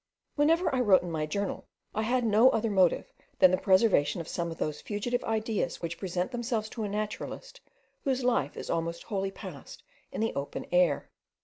Whenever I wrote in my journal, I had no other motive than the preservation of some of those fugitive ideas which present themselves to a naturalist, whose life is almost wholly passed in the open air.